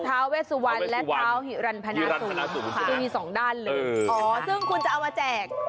ท้าวเวสุวรรณและท้าวหิรันพนาสุค่ะที่มี๒ด้านเลยนะคะอ๋อซึ่งคุณจะเอามาแจก